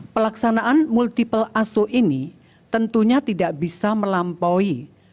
pelaksanaan multiple aso ini tentunya tidak bisa melampaui